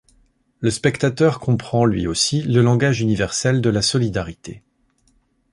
Le spectateur comprend lui aussi le langage universel de la solidarité.